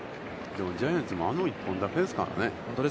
ジャイアンツも、あの１本だけですからね。